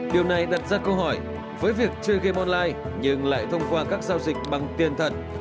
điều này đặt ra câu hỏi với việc chơi game online nhưng lại thông qua các giao dịch bằng tiền thật